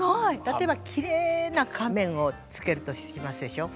たとえばきれいな仮面をつけるとしますでしょ。